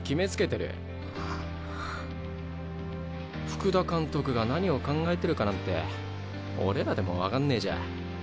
福田監督が何を考えてるかなんて俺らでも分かんねえじゃ。